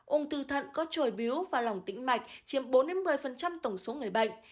ông từ thận có trôi biếu và lòng tĩnh mạch chiếm bốn một mươi tổng số người bệnh